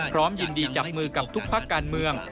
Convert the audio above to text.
พร้อมยินดีจับมือกับทุกภาคการเมือง